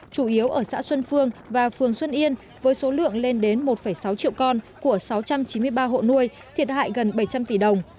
chủ yếu ở xã xuân phương và phường xuân yên với số lượng lên đến một sáu triệu con của sáu trăm chín mươi ba hộ nuôi thiệt hại gần bảy trăm linh tỷ đồng